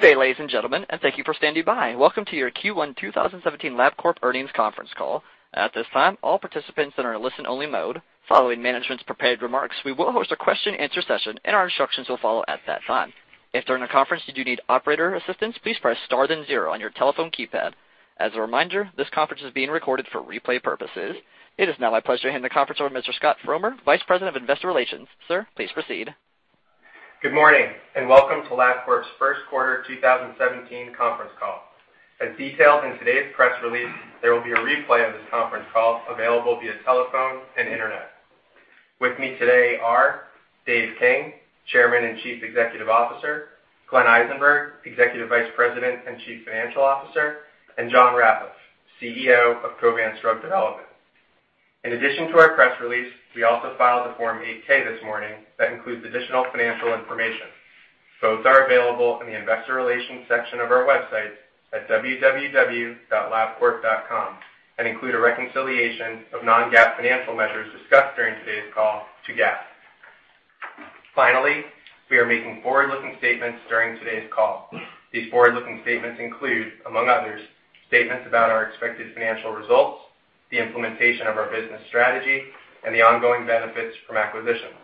Good day, ladies and gentlemen, and thank you for standing by. Welcome to your Q1 2017 Labcorp earnings conference call. At this time, all participants are in a listen-only mode. Following management's prepared remarks, we will host a question-and-answer session, and our instructions will follow at that time. If during the conference you do need operator assistance, please press star then zero on your telephone keypad. As a reminder, this conference is being recorded for replay purposes. It is now my pleasure to hand the conference over to Mr. Scott Frommer, Vice President of Investor Relations. Sir, please proceed. Good morning and welcome to Labcorp's first quarter 2017 conference call. As detailed in today's press release, there will be a replay of this conference call available via telephone and internet. With me today are Dave King, Chairman and Chief Executive Officer; Glenn Eisenberg, Executive Vice President and Chief Financial Officer; and John Ratliff, CEO of Covance Drug Development. In addition to our press release, we also filed a Form 8K this morning that includes additional financial information. Both are available in the Investor Relations section of our website at www.labcorp.com and include a reconciliation of non-GAAP financial measures discussed during today's call to GAAP. Finally, we are making forward-looking statements during today's call. These forward-looking statements include, among others, statements about our expected financial results, the implementation of our business strategy, and the ongoing benefits from acquisitions.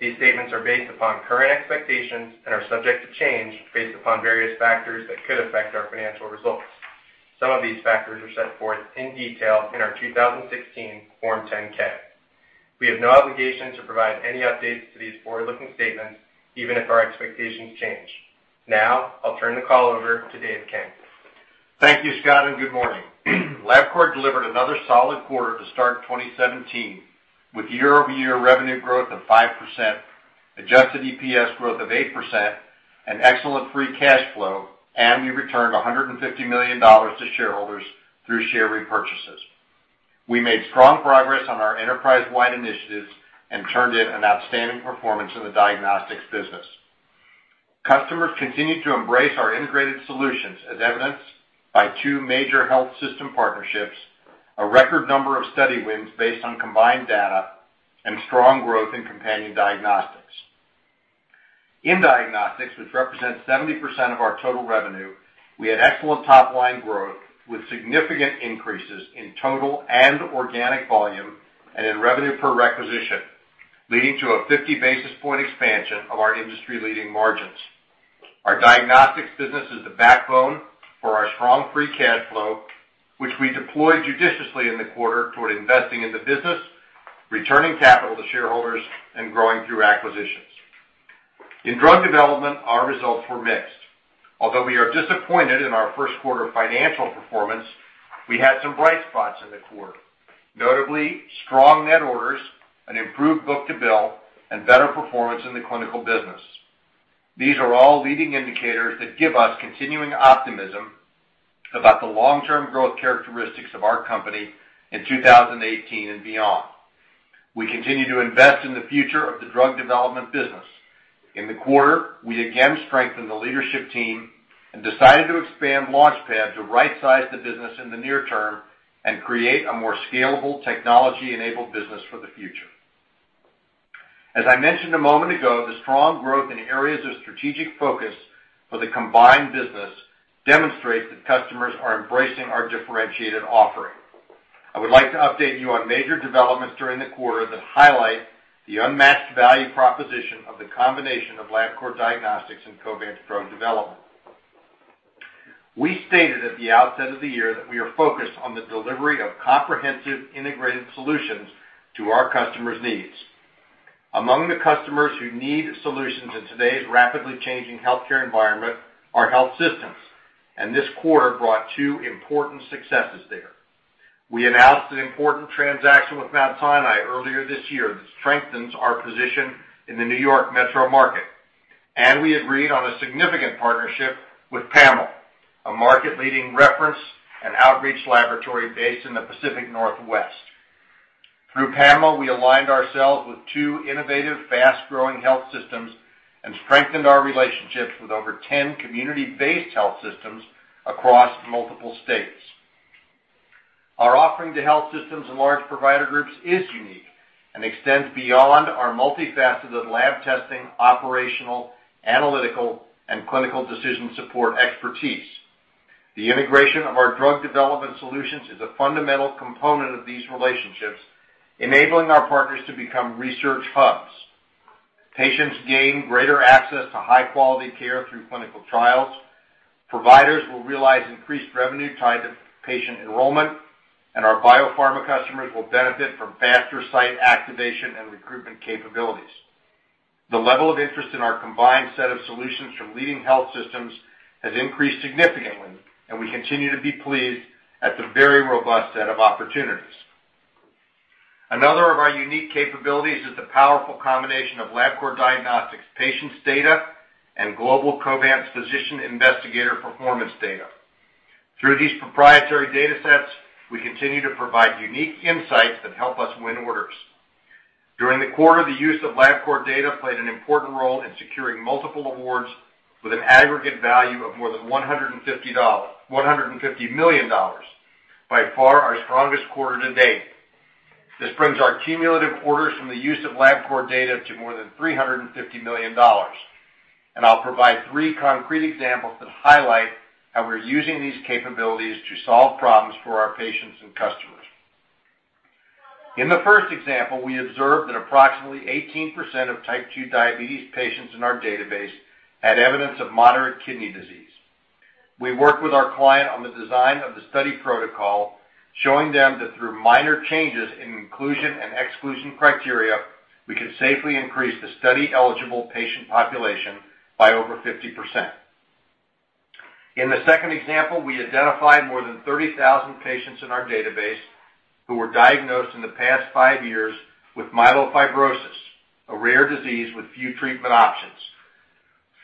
These statements are based upon current expectations and are subject to change based upon various factors that could affect our financial results. Some of these factors are set forth in detail in our 2016 Form 10K. We have no obligation to provide any updates to these forward-looking statements, even if our expectations change. Now, I'll turn the call over to Dave King. Thank you, Scott, and good morning. Labcorp delivered another solid quarter to start 2017 with year-over-year revenue growth of 5%, adjusted EPS growth of 8%, and excellent free cash flow, and we returned $150 million to shareholders through share repurchases. We made strong progress on our enterprise-wide initiatives and turned in an outstanding performance in the diagnostics business. Customers continue to embrace our integrated solutions, as evidenced by two major health system partnerships, a record number of study wins based on combined data, and strong growth in companion diagnostics. In diagnostics, which represents 70% of our total revenue, we had excellent top-line growth with significant increases in total and organic volume and in revenue per requisition, leading to a 50 basis point expansion of our industry-leading margins. Our diagnostics business is the backbone for our strong free cash flow, which we deployed judiciously in the quarter toward investing in the business, returning capital to shareholders, and growing through acquisitions. In drug development, our results were mixed. Although we are disappointed in our first quarter financial performance, we had some bright spots in the quarter, notably strong net orders, an improved book-to-bill, and better performance in the clinical business. These are all leading indicators that give us continuing optimism about the long-term growth characteristics of our company in 2018 and beyond. We continue to invest in the future of the drug development business. In the quarter, we again strengthened the leadership team and decided to expand Launch Pad to right-size the business in the near term and create a more scalable technology-enabled business for the future. As I mentioned a moment ago, the strong growth in areas of strategic focus for the combined business demonstrates that customers are embracing our differentiated offering. I would like to update you on major developments during the quarter that highlight the unmatched value proposition of the combination of Labcorp Diagnostics and Covance Drug Development. We stated at the outset of the year that we are focused on the delivery of comprehensive integrated solutions to our customers' needs. Among the customers who need solutions in today's rapidly changing healthcare environment are health systems, and this quarter brought two important successes there. We announced an important transaction with Mount Sinai earlier this year that strengthens our position in the New York metro market, and we agreed on a significant partnership with PAML, a market-leading reference and outreach laboratory based in the Pacific Northwest. Through PAML, we aligned ourselves with two innovative, fast-growing health systems and strengthened our relationships with over 10 community-based health systems across multiple states. Our offering to health systems and large provider groups is unique and extends beyond our multifaceted lab testing, operational, analytical, and clinical decision support expertise. The integration of our drug development solutions is a fundamental component of these relationships, enabling our partners to become research hubs. Patients gain greater access to high-quality care through clinical trials, providers will realize increased revenue tied to patient enrollment, and our biopharma customers will benefit from faster site activation and recruitment capabilities. The level of interest in our combined set of solutions from leading health systems has increased significantly, and we continue to be pleased at the very robust set of opportunities. Another of our unique capabilities is the powerful combination of Labcorp Diagnostics' patients' data and Global Covance's physician investigator performance data. Through these proprietary data sets, we continue to provide unique insights that help us win orders. During the quarter, the use of Labcorp data played an important role in securing multiple awards with an aggregate value of more than $150 million, by far our strongest quarter to date. This brings our cumulative orders from the use of Labcorp data to more than $350 million, and I'll provide three concrete examples that highlight how we're using these capabilities to solve problems for our patients and customers. In the first example, we observed that approximately 18% of type 2 diabetes patients in our database had evidence of moderate kidney disease. We worked with our client on the design of the study protocol, showing them that through minor changes in inclusion and exclusion criteria, we could safely increase the study-eligible patient population by over 50%. In the second example, we identified more than 30,000 patients in our database who were diagnosed in the past five years with myelofibrosis, a rare disease with few treatment options.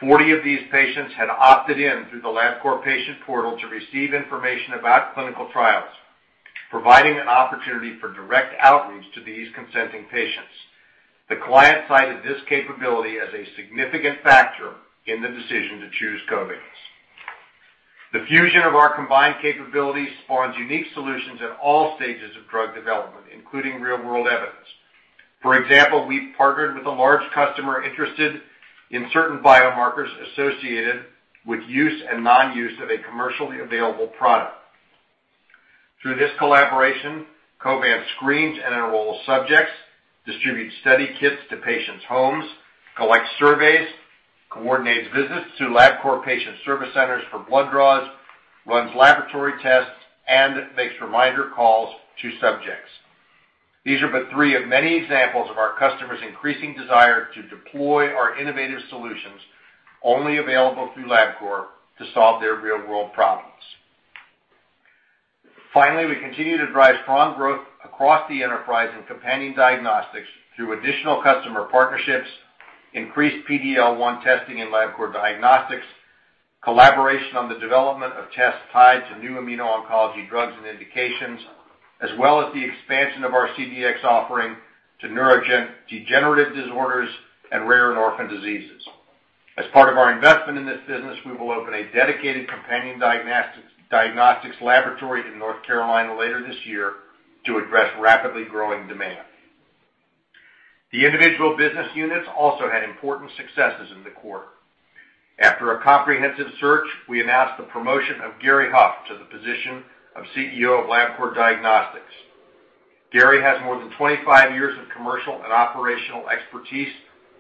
Forty of these patients had opted in through the Labcorp patient portal to receive information about clinical trials, providing an opportunity for direct outreach to these consenting patients. The client cited this capability as a significant factor in the decision to choose Covance. The fusion of our combined capabilities spawns unique solutions at all stages of drug development, including real-world evidence. For example, we partnered with a large customer interested in certain biomarkers associated with use and non-use of a commercially available product. Through this collaboration, Covance screens and enrolls subjects, distributes study kits to patients' homes, collects surveys, coordinates visits to Labcorp patient service centers for blood draws, runs laboratory tests, and makes reminder calls to subjects. These are but three of many examples of our customers' increasing desire to deploy our innovative solutions, only available through Labcorp, to solve their real-world problems. Finally, we continue to drive strong growth across the enterprise in companion diagnostics through additional customer partnerships, increased PD-L1 testing in Labcorp Diagnostics, collaboration on the development of tests tied to new immuno-oncology drugs and indications, as well as the expansion of our CDX offering to neurodegenerative disorders and rare endorphin diseases. As part of our investment in this business, we will open a dedicated companion diagnostics laboratory in North Carolina later this year to address rapidly growing demand. The individual business units also had important successes in the quarter. After a comprehensive search, we announced the promotion of Gary Huff to the position of CEO of Labcorp Diagnostics. Gary has more than 25 years of commercial and operational expertise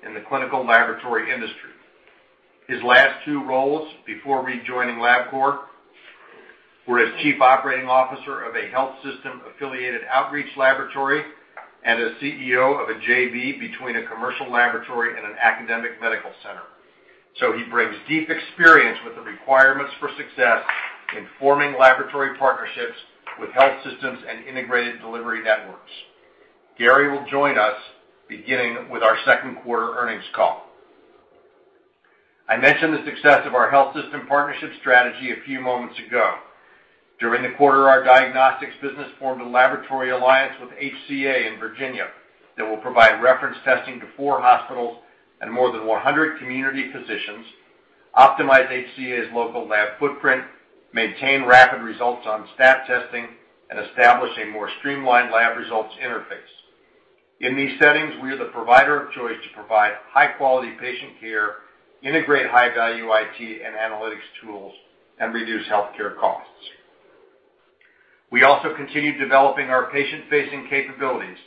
in the clinical laboratory industry. His last two roles before rejoining Labcorp were as Chief Operating Officer of a health system-affiliated outreach laboratory and as CEO of a JV between a commercial laboratory and an academic medical center. He brings deep experience with the requirements for success in forming laboratory partnerships with health systems and integrated delivery networks. Gary will join us beginning with our second quarter earnings call. I mentioned the success of our health system partnership strategy a few moments ago. During the quarter, our diagnostics business formed a laboratory alliance with HCA in Virginia that will provide reference testing to four hospitals and more than 100 community physicians, optimize HCA's local lab footprint, maintain rapid results on staff testing, and establish a more streamlined lab results interface. In these settings, we are the provider of choice to provide high-quality patient care, integrate high-value IT and analytics tools, and reduce healthcare costs. We also continue developing our patient-facing capabilities,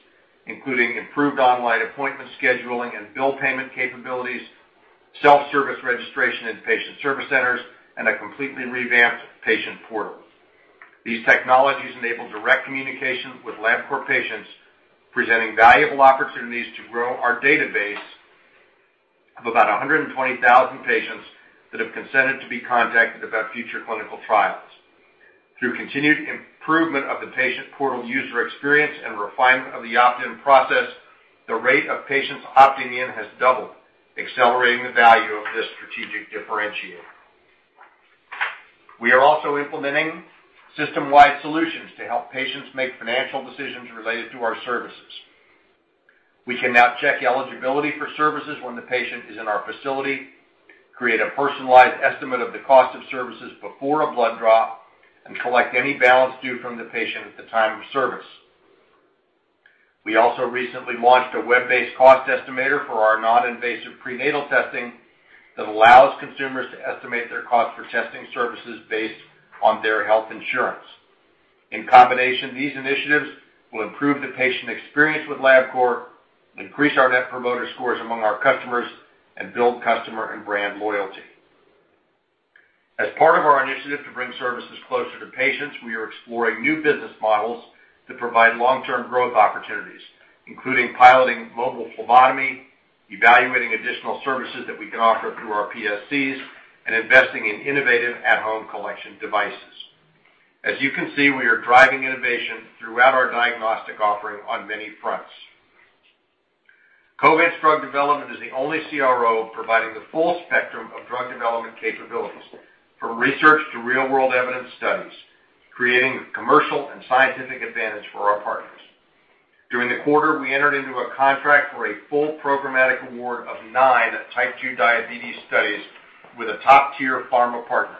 including improved online appointment scheduling and bill payment capabilities, self-service registration in patient service centers, and a completely revamped patient portal. These technologies enable direct communication with Labcorp patients, presenting valuable opportunities to grow our database of about 120,000 patients that have consented to be contacted about future clinical trials. Through continued improvement of the patient portal user experience and refinement of the opt-in process, the rate of patients opting in has doubled, accelerating the value of this strategic differentiator. We are also implementing system-wide solutions to help patients make financial decisions related to our services. We can now check eligibility for services when the patient is in our facility, create a personalized estimate of the cost of services before a blood draw, and collect any balance due from the patient at the time of service. We also recently launched a web-based cost estimator for our non-invasive prenatal testing that allows consumers to estimate their cost for testing services based on their health insurance. In combination, these initiatives will improve the patient experience with Labcorp, increase our net promoter scores among our customers, and build customer and brand loyalty. As part of our initiative to bring services closer to patients, we are exploring new business models to provide long-term growth opportunities, including piloting mobile phlebotomy, evaluating additional services that we can offer through our PSCs, and investing in innovative at-home collection devices. As you can see, we are driving innovation throughout our diagnostic offering on many fronts. Covance Drug Development is the only CRO providing the full spectrum of drug development capabilities, from research to real-world evidence studies, creating a commercial and scientific advantage for our partners. During the quarter, we entered into a contract for a full programmatic award of nine type 2 diabetes studies with a top-tier pharma partner.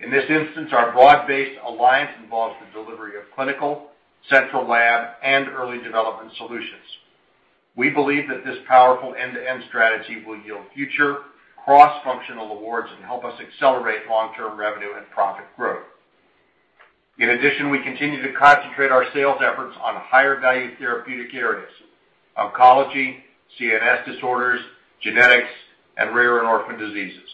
In this instance, our broad-based alliance involves the delivery of clinical, central lab, and early development solutions. We believe that this powerful end-to-end strategy will yield future cross-functional awards and help us accelerate long-term revenue and profit growth. In addition, we continue to concentrate our sales efforts on higher-value therapeutic areas: oncology, CNS disorders, genetics, and rare endorphin diseases.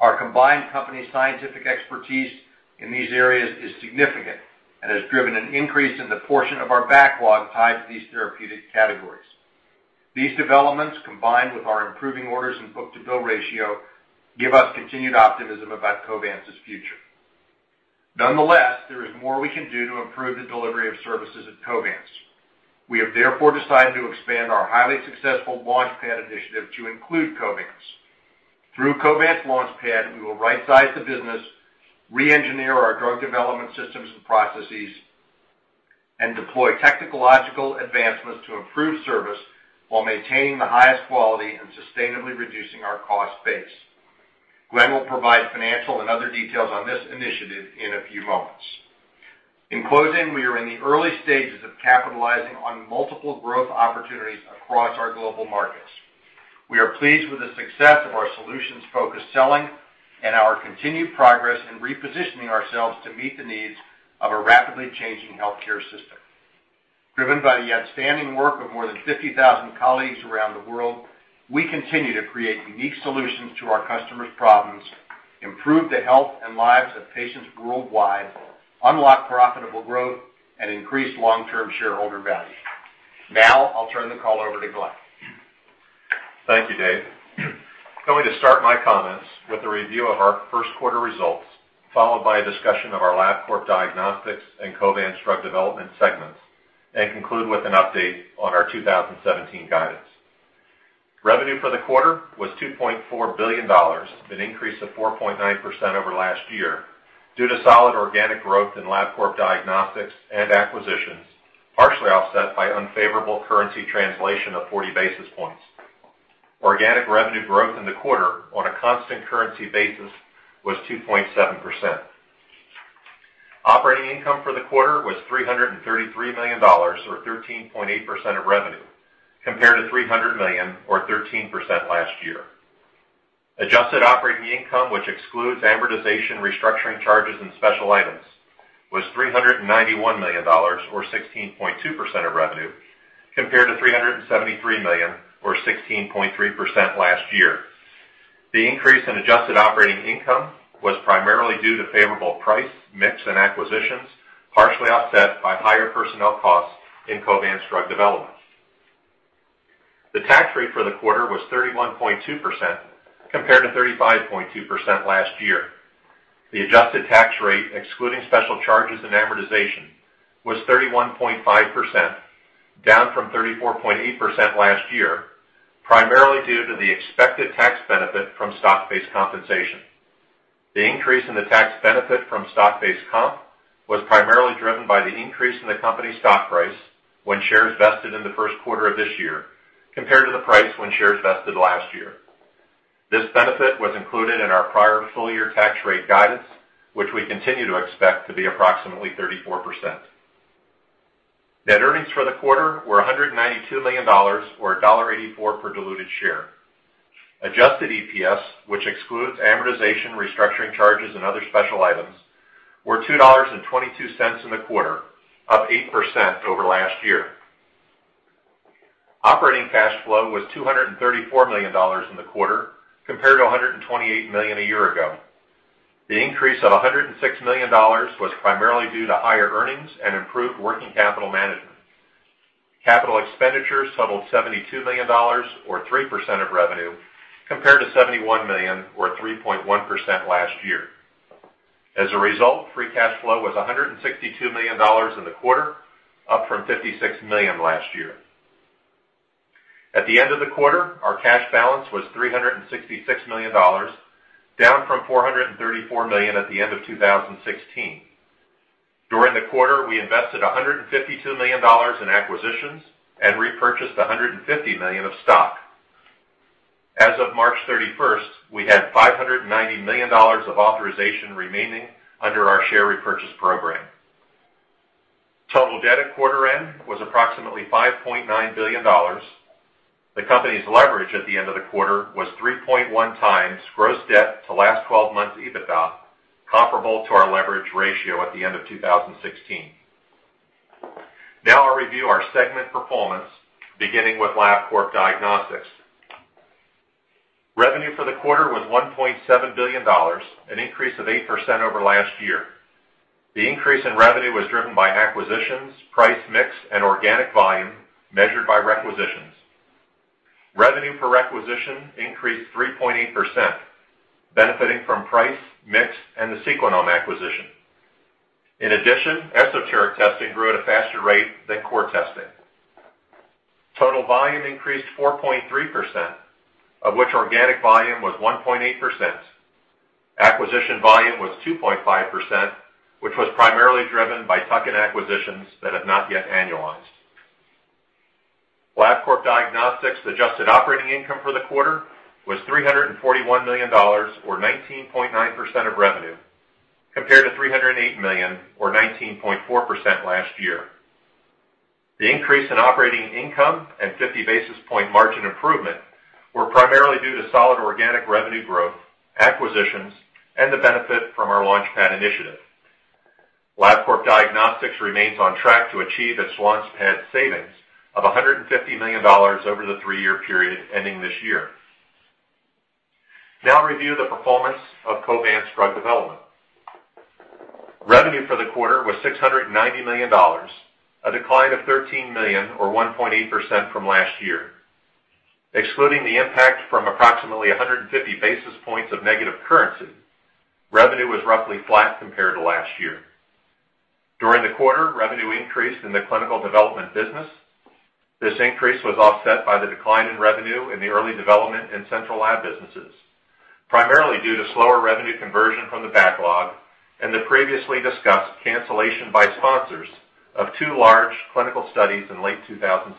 Our combined company scientific expertise in these areas is significant and has driven an increase in the portion of our backlog tied to these therapeutic categories. These developments, combined with our improving orders and book-to-bill ratio, give us continued optimism about Covance's future. Nonetheless, there is more we can do to improve the delivery of services at Covance. We have therefore decided to expand our highly successful Launch Pad initiative to include Covance. Through Covance's Launch Pad, we will right-size the business, re-engineer our drug development systems and processes, and deploy technological advancements to improve service while maintaining the highest quality and sustainably reducing our cost base. Glenn will provide financial and other details on this initiative in a few moments. In closing, we are in the early stages of capitalizing on multiple growth opportunities across our global markets. We are pleased with the success of our solutions-focused selling and our continued progress in repositioning ourselves to meet the needs of a rapidly changing healthcare system. Driven by the outstanding work of more than 50,000 colleagues around the world, we continue to create unique solutions to our customers' problems, improve the health and lives of patients worldwide, unlock profitable growth, and increase long-term shareholder value. Now, I'll turn the call over to Glenn. Thank you, Dave. I'm going to start my comments with a review of our first quarter results, followed by a discussion of our Labcorp Diagnostics and Covance Drug Development segments, and conclude with an update on our 2017 guidance. Revenue for the quarter was $2.4 billion, an increase of 4.9% over last year, due to solid organic growth in Labcorp Diagnostics and acquisitions, partially offset by unfavorable currency translation of 40 basis points. Organic revenue growth in the quarter on a constant currency basis was 2.7%. Operating income for the quarter was $333 million, or 13.8% of revenue, compared to $300 million, or 13% last year. Adjusted operating income, which excludes amortization, restructuring charges, and special items, was $391 million, or 16.2% of revenue, compared to $373 million, or 16.3% last year. The increase in adjusted operating income was primarily due to favorable price, mix, and acquisitions, partially offset by higher personnel costs in Covance Drug Development. The tax rate for the quarter was 31.2%, compared to 35.2% last year. The adjusted tax rate, excluding special charges and amortization, was 31.5%, down from 34.8% last year, primarily due to the expected tax benefit from stock-based compensation. The increase in the tax benefit from stock-based comp was primarily driven by the increase in the company stock price when shares vested in the first quarter of this year, compared to the price when shares vested last year. This benefit was included in our prior full-year tax rate guidance, which we continue to expect to be approximately 34%. Net earnings for the quarter were $192 million, or $1.84 per diluted share. Adjusted EPS, which excludes amortization, restructuring charges, and other special items, were $2.22 in the quarter, up 8% over last year. Operating cash flow was $234 million in the quarter, compared to $128 million a year ago. The increase of $106 million was primarily due to higher earnings and improved working capital management. Capital expenditures totaled $72 million, or 3% of revenue, compared to $71 million, or 3.1% last year. As a result, free cash flow was $162 million in the quarter, up from $56 million last year. At the end of the quarter, our cash balance was $366 million, down from $434 million at the end of 2016. During the quarter, we invested $152 million in acquisitions and repurchased $150 million of stock. As of March 31st, we had $590 million of authorization remaining under our share repurchase program. Total debt at quarter end was approximately $5.9 billion. The company's leverage at the end of the quarter was 3.1 times gross debt to last 12 months EBITDA, comparable to our leverage ratio at the end of 2016. Now, I'll review our segment performance, beginning with Labcorp Diagnostics. Revenue for the quarter was $1.7 billion, an increase of 8% over last year. The increase in revenue was driven by acquisitions, price mix, and organic volume measured by requisitions. Revenue per requisition increased 3.8%, benefiting from price, mix, and the Sequenom acquisition. In addition, esoteric testing grew at a faster rate than core testing. Total volume increased 4.3%, of which organic volume was 1.8%. Acquisition volume was 2.5%, which was primarily driven by tuck-in acquisitions that have not yet annualized. Labcorp Diagnostics' adjusted operating income for the quarter was $341 million, or 19.9% of revenue, compared to $308 million, or 19.4% last year. The increase in operating income and 50 basis point margin improvement were primarily due to solid organic revenue growth, acquisitions, and the benefit from our Launch Pad initiative. Labcorp Diagnostics remains on track to achieve its Launch Pad savings of $150 million over the three-year period ending this year. Now, I'll review the performance of Covance Drug Development. Revenue for the quarter was $690 million, a decline of $13 million, or 1.8% from last year. Excluding the impact from approximately 150 basis points of negative currency, revenue was roughly flat compared to last year. During the quarter, revenue increased in the clinical development business. This increase was offset by the decline in revenue in the early development and central lab businesses, primarily due to slower revenue conversion from the backlog and the previously discussed cancellation by sponsors of two large clinical studies in late 2016,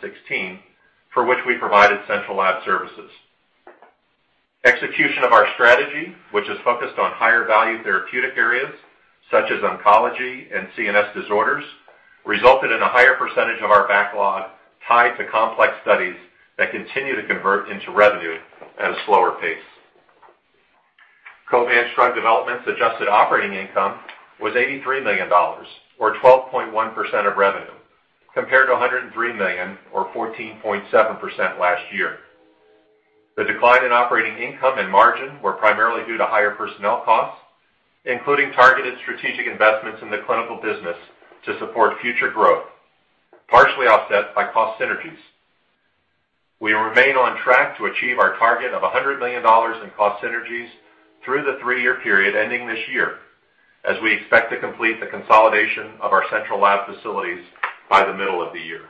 for which we provided central lab services. Execution of our strategy, which is focused on higher-value therapeutic areas such as oncology and CNS disorders, resulted in a higher percentage of our backlog tied to complex studies that continue to convert into revenue at a slower pace. Covance Drug Development's adjusted operating income was $83 million, or 12.1% of revenue, compared to $103 million, or 14.7% last year. The decline in operating income and margin was primarily due to higher personnel costs, including targeted strategic investments in the clinical business to support future growth, partially offset by cost synergies. We remain on track to achieve our target of $100 million in cost synergies through the three-year period ending this year, as we expect to complete the consolidation of our central lab facilities by the middle of the year.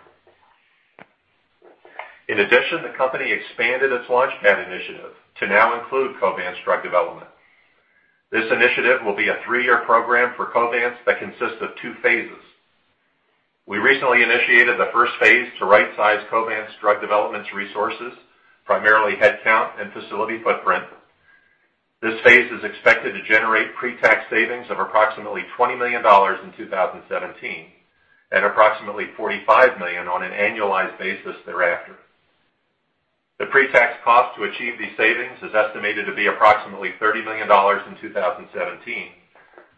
In addition, the company expanded its Launch Pad initiative to now include Covance Drug Development. This initiative will be a three-year program for Covance that consists of two phases. We recently initiated the first phase to right-size Covance Drug Development's resources, primarily headcount and facility footprint. This phase is expected to generate pre-tax savings of approximately $20 million in 2017 and approximately $45 million on an annualized basis thereafter. The pre-tax cost to achieve these savings is estimated to be approximately $30 million in 2017,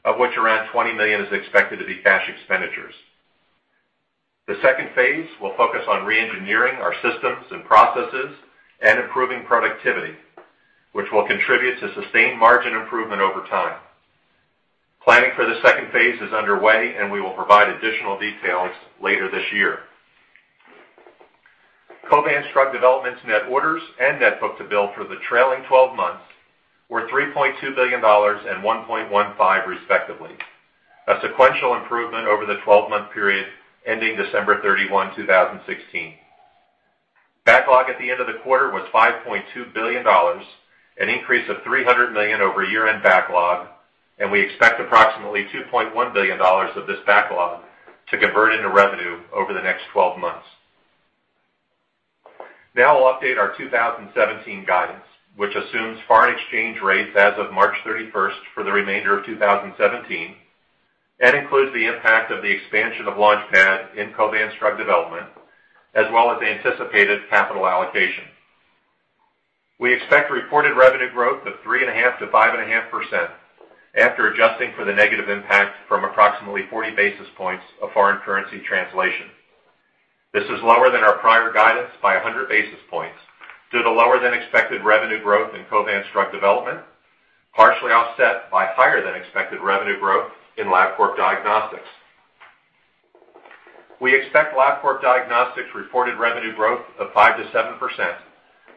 of which around $20 million is expected to be cash expenditures. The second phase will focus on re-engineering our systems and processes and improving productivity, which will contribute to sustained margin improvement over time. Planning for the second phase is underway, and we will provide additional details later this year. Covance Drug Development's net orders and net book-to-bill for the trailing 12 months were $3.2 billion and $1.15 billion, respectively, a sequential improvement over the 12-month period ending December 31, 2016. Backlog at the end of the quarter was $5.2 billion, an increase of $300 million over year-end backlog, and we expect approximately $2.1 billion of this backlog to convert into revenue over the next 12 months. Now, I'll update our 2017 guidance, which assumes foreign exchange rates as of March 31 for the remainder of 2017 and includes the impact of the expansion of Launch Pad in Covance Drug Development, as well as anticipated capital allocation. We expect reported revenue growth of 3.5%-5.5% after adjusting for the negative impact from approximately 40 basis points of foreign currency translation. This is lower than our prior guidance by 100 basis points due to lower-than-expected revenue growth in Covance Drug Development, partially offset by higher-than-expected revenue growth in Labcorp Diagnostics. We expect Labcorp Diagnostics' reported revenue growth of 5%-7%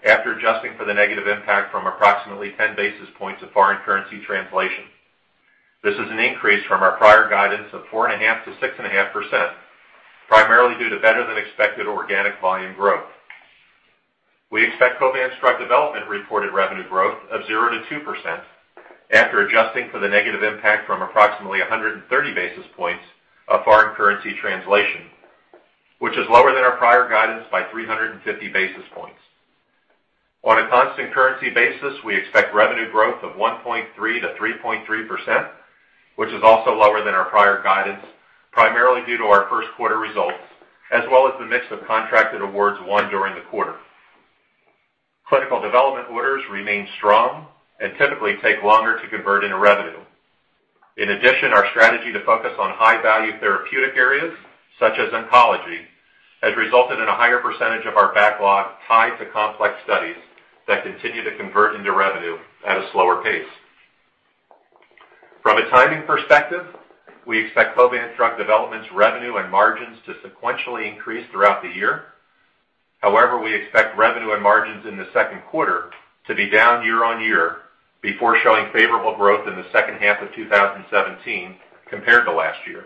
after adjusting for the negative impact from approximately 10 basis points of foreign currency translation. This is an increase from our prior guidance of 4.5%-6.5%, primarily due to better-than-expected organic volume growth. We expect Covance Drug Development reported revenue growth of 0%-2% after adjusting for the negative impact from approximately 130 basis points of foreign currency translation, which is lower than our prior guidance by 350 basis points. On a constant currency basis, we expect revenue growth of 1.3%-3.3%, which is also lower than our prior guidance, primarily due to our first quarter results, as well as the mix of contracted awards won during the quarter. Clinical development orders remain strong and typically take longer to convert into revenue. In addition, our strategy to focus on high-value therapeutic areas, such as oncology, has resulted in a higher percentage of our backlog tied to complex studies that continue to convert into revenue at a slower pace. From a timing perspective, we expect Covance Drug Development's revenue and margins to sequentially increase throughout the year. However, we expect revenue and margins in the second quarter to be down year-on-year before showing favorable growth in the second half of 2017 compared to last year.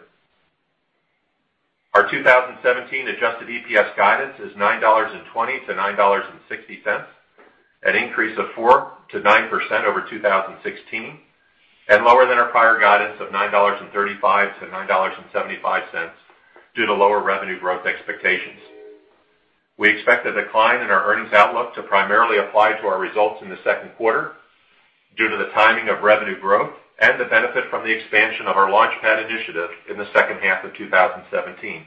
Our 2017 adjusted EPS guidance is $9.20-$9.60, an increase of 4%-9% over 2016, and lower than our prior guidance of $9.35-$9.75 due to lower revenue growth expectations. We expect a decline in our earnings outlook to primarily apply to our results in the second quarter due to the timing of revenue growth and the benefit from the expansion of our Launch Pad initiative in the second half of 2017.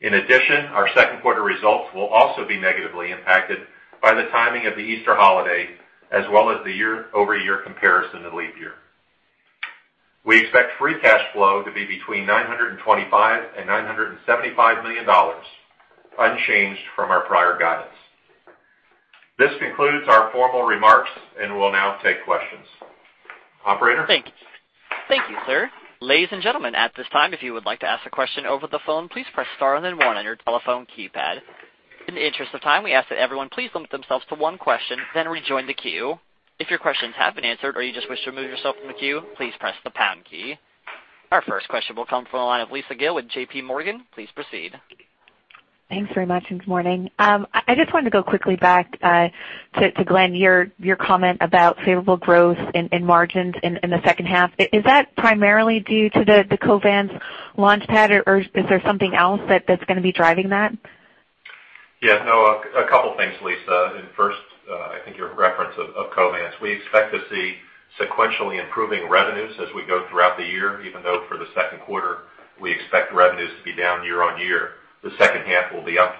In addition, our second quarter results will also be negatively impacted by the timing of the Easter holiday, as well as the year-over-year comparison of leap year. We expect free cash flow to be between $925 million and $975 million, unchanged from our prior guidance. This concludes our formal remarks, and we'll now take questions. Operator. Thank you. Thank you, sir. Ladies and gentlemen, at this time, if you would like to ask a question over the phone, please press star and then one on your telephone keypad. In the interest of time, we ask that everyone please limit themselves to one question, then rejoin the queue. If your questions have been answered or you just wish to remove yourself from the queue, please press the pound key. Our first question will come from the line of Lisa Gill with JPMorgan. Please proceed. Thanks very much. And good morning. I just wanted to go quickly back to Glenn, your comment about favorable growth in margins in the second half. Is that primarily due to the Covance Launch Pad, or is there something else that's going to be driving that? Yeah. No, a couple of things, Lisa. First, I think your reference of Covance. We expect to see sequentially improving revenues as we go throughout the year, even though for the second quarter, we expect revenues to be down year-on-year. The second half will be up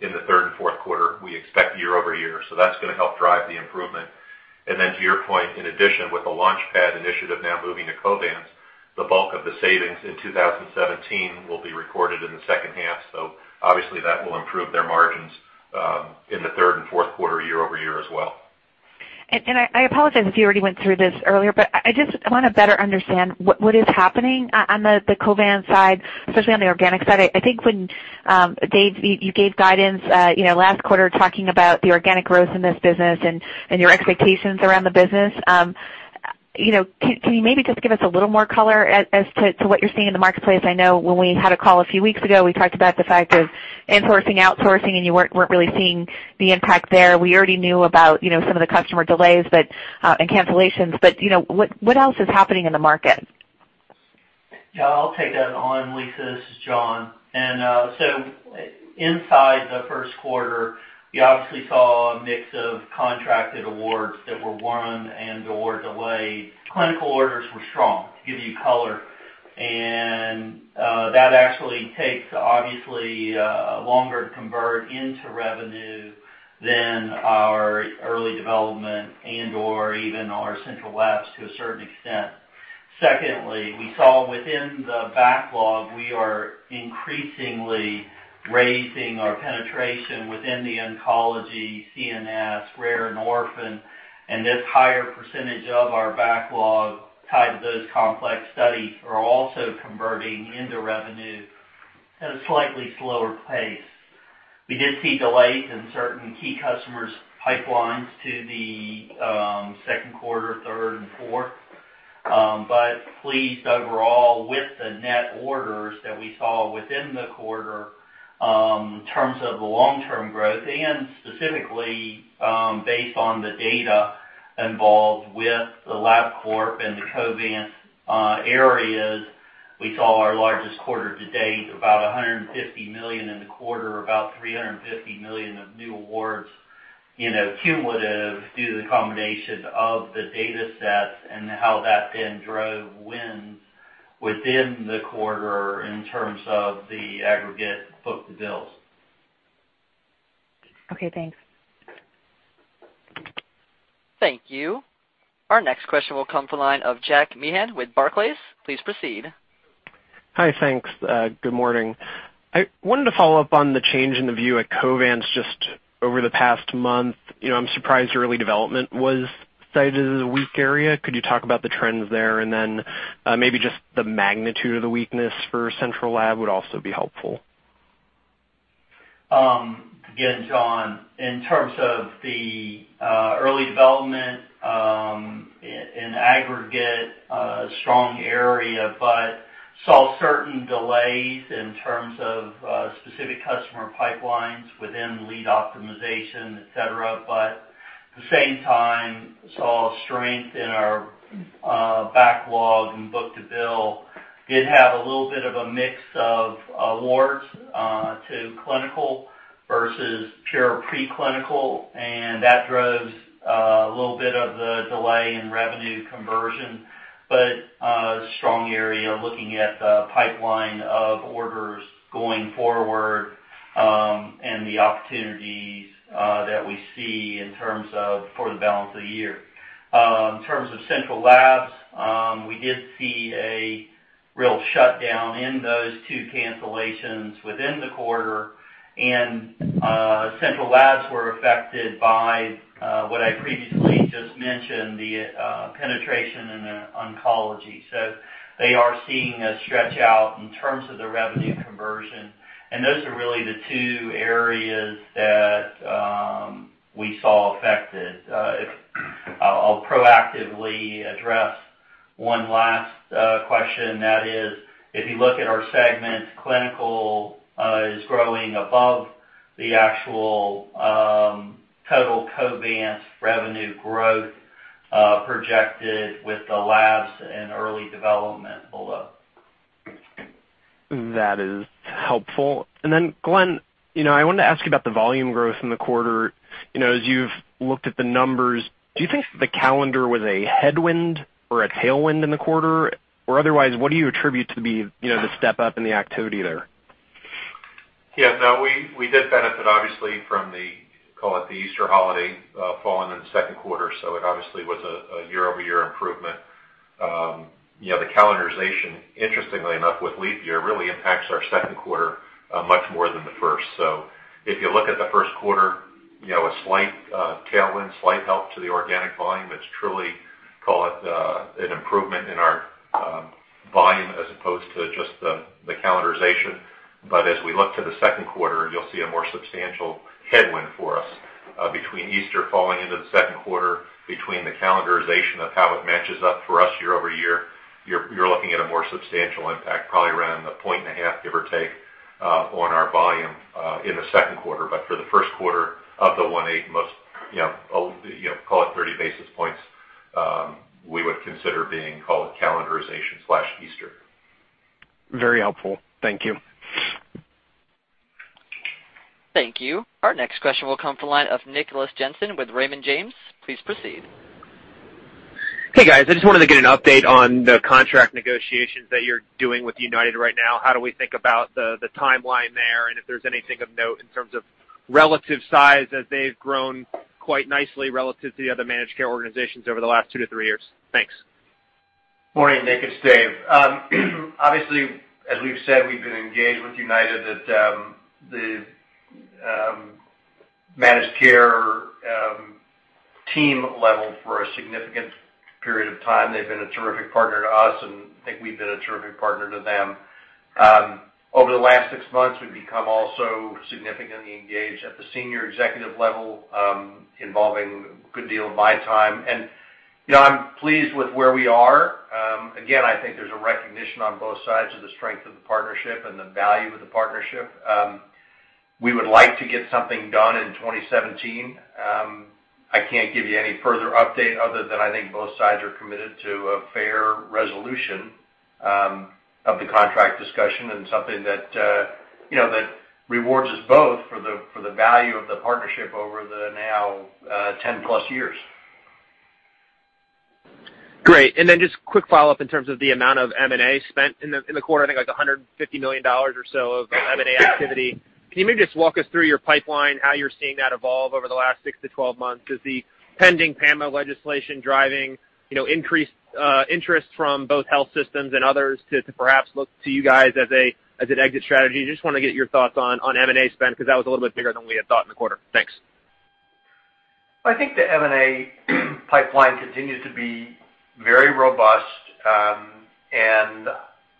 in the third and fourth quarter. We expect year-over-year. So that's going to help drive the improvement. To your point, in addition, with the Launch Pad initiative now moving to Covance, the bulk of the savings in 2017 will be recorded in the second half. Obviously, that will improve their margins in the third and fourth quarter, year-over-year as well. I apologize if you already went through this earlier, but I just want to better understand what is happening on the Covance side, especially on the organic side. I think when Dave, you gave guidance last quarter talking about the organic growth in this business and your expectations around the business. Can you maybe just give us a little more color as to what you're seeing in the marketplace? I know when we had a call a few weeks ago, we talked about the fact of insourcing, outsourcing, and you were not really seeing the impact there. We already knew about some of the customer delays and cancellations. What else is happening in the market? Yeah. I'll take that on, Lisa. This is John. Inside the first quarter, we obviously saw a mix of contracted awards that were won and/or delayed. Clinical orders were strong, to give you color. That actually takes, obviously, longer to convert into revenue than our early development and/or even our central labs to a certain extent. Secondly, we saw within the backlog, we are increasingly raising our penetration within the oncology, CNS, rare endorphin, and this higher percentage of our backlog tied to those complex studies are also converting into revenue at a slightly slower pace. We did see delays in certain key customers' pipelines to the second quarter, third, and fourth. Pleased, overall, with the net orders that we saw within the quarter. In terms of the long-term growth and specifically based on the data involved with the Labcorp and the Covance areas, we saw our largest quarter to date, about $150 million in the quarter, about $350 million of new awards cumulative due to the combination of the data sets and how that then drove wins within the quarter in terms of the aggregate book-to-bills. Okay. Thanks. Thank you. Our next question will come from the line of Jack Meehan with Barclays. Please proceed. Hi. Thanks. Good morning. I wanted to follow up on the change in the view at Covance just over the past month. I'm surprised early development was cited as a weak area. Could you talk about the trends there? And then maybe just the magnitude of the weakness for central lab would also be helpful. Again, John, in terms of the early development in aggregate, strong area, but saw certain delays in terms of specific customer pipelines within lead optimization, etc. At the same time, saw strength in our backlog and book-to-bill. Did have a little bit of a mix of awards to clinical versus pure preclinical, and that drove a little bit of the delay in revenue conversion. Strong area looking at the pipeline of orders going forward and the opportunities that we see in terms of for the balance of the year. In terms of central labs, we did see a real shutdown in those two cancellations within the quarter, and central labs were affected by what I previously just mentioned, the penetration in oncology. They are seeing a stretch out in terms of the revenue conversion. Those are really the two areas that we saw affected. I'll proactively address one last question. That is, if you look at our segment, clinical is growing above the actual total Covance revenue growth projected with the labs and early development below. That is helpful. Then, Glenn, I wanted to ask you about the volume growth in the quarter. As you've looked at the numbers, do you think the calendar was a headwind or a tailwind in the quarter? Or otherwise, what do you attribute to the step-up in the activity there? Yeah. No, we did benefit, obviously, from the, call it the Easter holiday, falling in the second quarter. It obviously was a year-over-year improvement. The calendarization, interestingly enough, with leap year really impacts our second quarter much more than the first. If you look at the first quarter, a slight tailwind, slight help to the organic volume, it's truly, call it an improvement in our volume as opposed to just the calendarization. As we look to the second quarter, you'll see a more substantial headwind for us. Between Easter falling into the second quarter, between the calendarization of how it matches up for us year-over-year, you're looking at a more substantial impact, probably around a point and a half, give or take, on our volume in the second quarter. For the first quarter of the 18, call it 30 basis points, we would consider being, call it calendarization/Easter. Very helpful. Thank you. Thank you. Our next question will come from the line of Nicholas Jensen with Raymond James. Please proceed. Hey, guys. I just wanted to get an update on the contract negotiations that you're doing with United right now. How do we think about the timeline there? If there's anything of note in terms of relative size as they've grown quite nicely relative to the other managed care organizations over the last two to three years. Thanks. Morning. Nick, it's Dave. Obviously, as we've said, we've been engaged with United at the managed care team level for a significant period of time. They've been a terrific partner to us, and I think we've been a terrific partner to them. Over the last six months, we've become also significantly engaged at the senior executive level, involving a good deal of my time. I'm pleased with where we are. I think there's a recognition on both sides of the strength of the partnership and the value of the partnership. We would like to get something done in 2017. I can't give you any further update other than I think both sides are committed to a fair resolution of the contract discussion and something that rewards us both for the value of the partnership over the now 10+ years. Great. And then just quick follow-up in terms of the amount of M&A spent in the quarter. I think like $150 million or so of M&A activity. Can you maybe just walk us through your pipeline, how you're seeing that evolve over the last 6 to 12 months? Is the pending PAMA legislation driving increased interest from both health systems and others to perhaps look to you guys as an exit strategy? Just want to get your thoughts on M&A spend because that was a little bit bigger than we had thought in the quarter. Thanks. I think the M&A pipeline continues to be very robust, and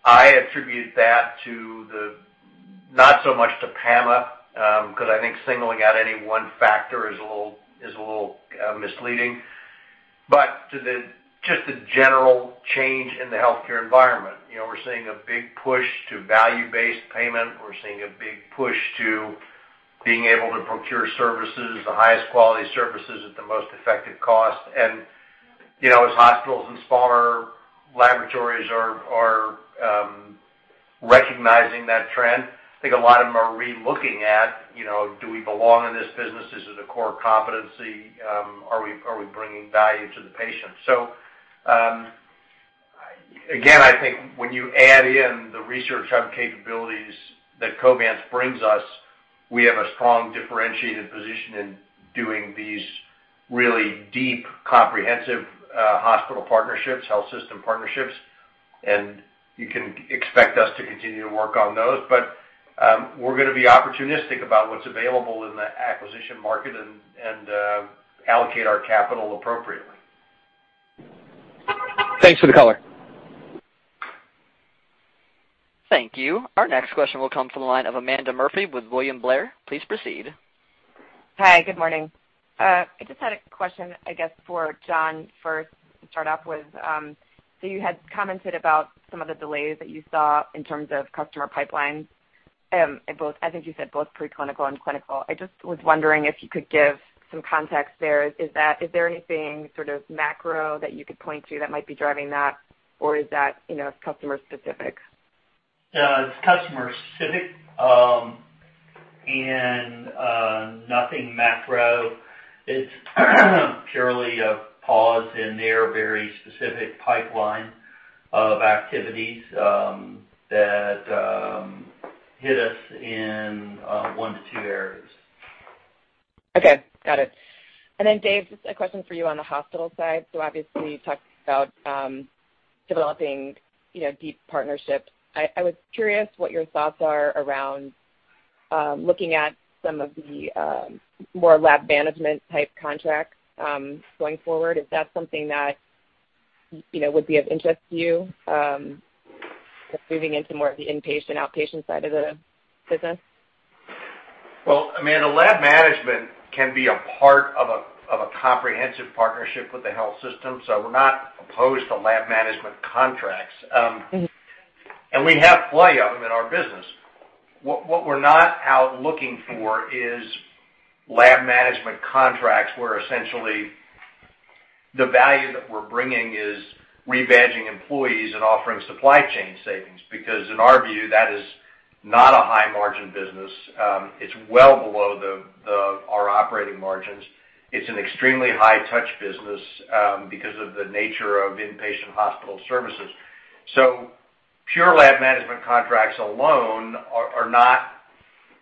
I attribute that to the not so much to PAMA because I think singling out any one factor is a little misleading. Just the general change in the healthcare environment. We're seeing a big push to value-based payment. We're seeing a big push to being able to procure services, the highest quality services at the most effective cost. As hospitals and smaller laboratories are recognizing that trend, I think a lot of them are relooking at, "Do we belong in this business? Is it a core competency? Are we bringing value to the patient?" I think when you add in the research hub capabilities that Covance brings us, we have a strong differentiated position in doing these really deep comprehensive hospital partnerships, health system partnerships. You can expect us to continue to work on those. We are going to be opportunistic about what is available in the acquisition market and allocate our capital appropriately. Thanks for the color. Thank you. Our next question will come from the line of Amanda Murphy with William Blair. Please proceed. Hi. Good morning. I just had a question, I guess, for John first to start off with. You had commented about some of the delays that you saw in terms of customer pipeline, I think you said both preclinical and clinical. I just was wondering if you could give some context there. Is there anything sort of macro that you could point to that might be driving that, or is that customer-specific? It is customer-specific and nothing macro. It is purely a pause in their very specific pipeline of activities that hit us in one to two areas. Okay. Got it. Dave, just a question for you on the hospital side. Obviously, you talked about developing deep partnerships. I was curious what your thoughts are around looking at some of the more lab management-type contracts going forward. Is that something that would be of interest to you moving into more of the inpatient, outpatient side of the business? Amanda, lab management can be a part of a comprehensive partnership with the health system. We are not opposed to lab management contracts. We have plenty of them in our business. What we are not out looking for is lab management contracts where essentially the value that we are bringing is rebadging employees and offering supply chain savings because in our view, that is not a high-margin business. It is well below our operating margins. It is an extremely high-touch business because of the nature of inpatient hospital services. Pure lab management contracts alone are not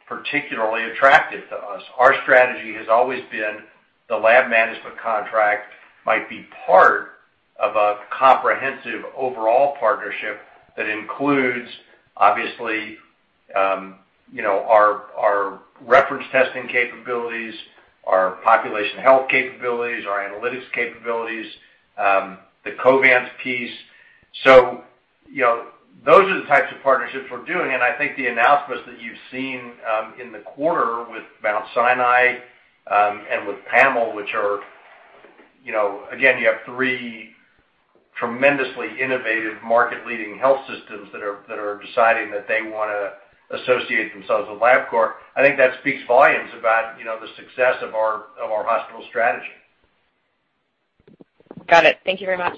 particularly attractive to us. Our strategy has always been the lab management contract might be part of a comprehensive overall partnership that includes, obviously, our reference testing capabilities, our population health capabilities, our analytics capabilities, the Covance piece. Those are the types of partnerships we're doing. I think the announcements that you've seen in the quarter with Mount Sinai and with PAML, which are, again, you have three tremendously innovative market-leading health systems that are deciding that they want to associate themselves with Labcorp. I think that speaks volumes about the success of our hospital strategy. Got it. Thank you very much.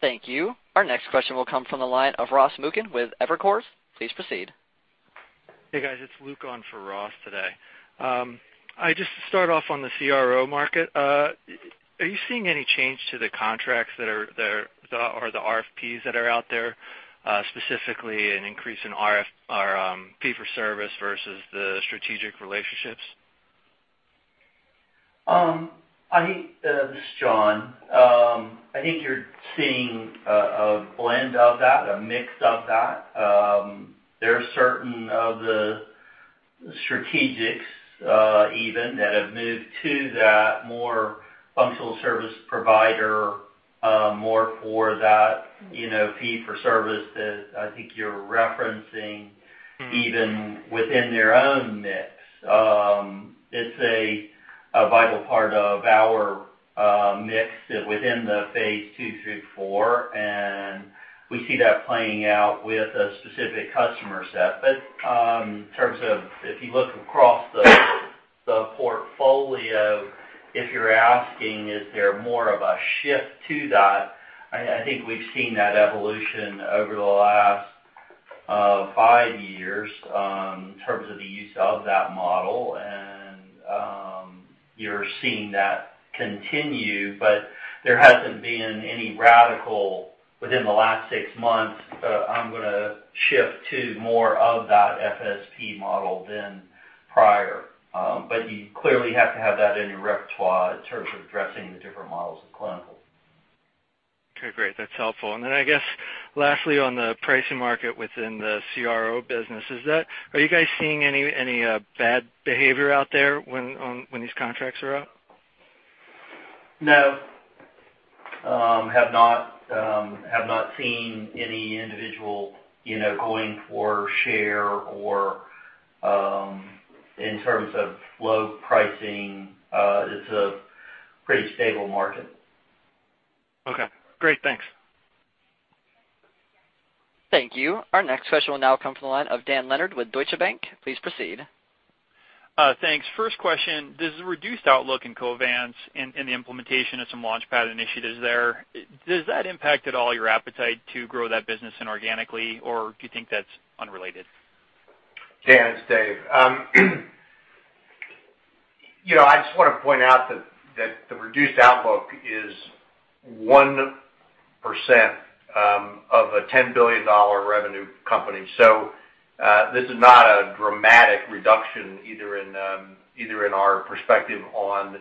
Thank you. Our next question will come from the line of Ross Mukin with Evercore. Please proceed. Hey, guys. It's Luke on for Ross today. I just start off on the CRO market. Are you seeing any change to the contracts that are or the RFPs that are out there, specifically an increase in fee-for-service versus the strategic relationships? This is John. I think you're seeing a blend of that, a mix of that. There are certain of the strategics even that have moved to that more functional service provider, more for that fee-for-service that I think you're referencing even within their own mix. It's a vital part of our mix within the phase two, three, four. We see that playing out with a specific customer set. In terms of if you look across the portfolio, if you're asking, "Is there more of a shift to that?" I think we've seen that evolution over the last five years in terms of the use of that model. You're seeing that continue. There has not been any radical within the last six months, "I'm going to shift to more of that FSP model than prior." You clearly have to have that in your repertoire in terms of addressing the different models of clinical. Okay. Great. That's helpful. I guess, lastly, on the pricing market within the CRO business, are you guys seeing any bad behavior out there when these contracts are up? No. Have not seen any individual going for share or in terms of low pricing. It's a pretty stable market. Okay. Great. Thanks. Thank you. Our next question will now come from the line of Dan Leonard with Deutsche Bank. Please proceed. Thanks. First question. Does the reduced outlook in Covance and the implementation of some Launch Pad initiatives there, does that impact at all your appetite to grow that business inorganically, or do you think that's unrelated? Dan and Dave. I just want to point out that the reduced outlook is 1% of a $10 billion revenue company. This is not a dramatic reduction either in our perspective on